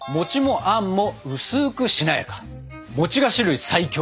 菓子類最強！